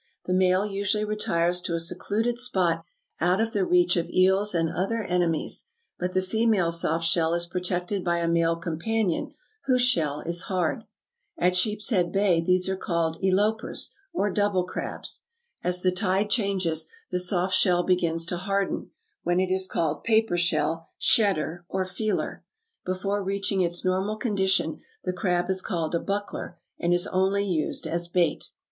The male usually retires to a secluded spot out of the reach of eels and other enemies, but the female soft shell is protected by a male companion whose shell is hard. At Sheepshead Bay these are called elopers or double crabs. As the tide changes, the soft shell begins to harden, when it is called "paper shell," shedder, or feeler. Before reaching its normal condition, the crab is called a buckler, and is only used as bait.